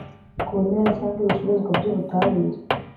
ku bimera cyangwa ibicuruzwa by ubutabire